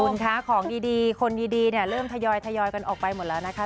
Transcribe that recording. คุณคะของดีคนดีเนี่ยเริ่มทยอยกันออกไปหมดแล้วนะคะ